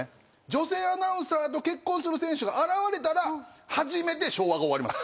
女性アナウンサーと結婚する選手が現れたら初めて昭和が終わります。